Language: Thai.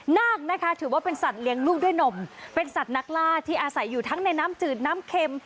นาคนะคะถือว่าเป็นสัตว์เลี้ยงลูกด้วยนมเป็นสัตว์นักล่าที่อาศัยอยู่ทั้งในน้ำจืดน้ำเข็ม